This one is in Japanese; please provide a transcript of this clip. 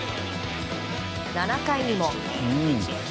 ７回にも！